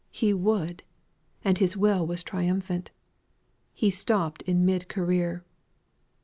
He would; and his will was triumphant. He stopped in mid career.